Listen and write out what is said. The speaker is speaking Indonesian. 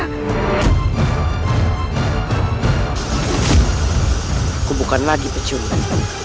aku bukan lagi pecuri